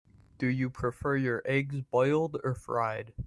Do you prefer your eggs boiled or fried?